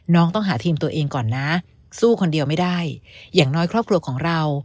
น้องต้องหาทีมตัวเองก่อนนะสู้คนเดียวไม่ได้อย่างน้อยครอบครัวของเรา